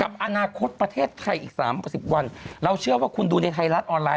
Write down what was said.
อนาคตประเทศไทยอีกสามสิบวันเราเชื่อว่าคุณดูในไทยรัฐออนไลน